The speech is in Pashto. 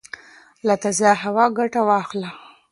له تازه هوا ګټه واخله